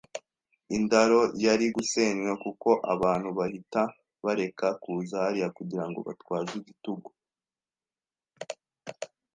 indaro yari gusenywa, kuko abantu bahita bareka kuza hariya kugirango batwaze igitugu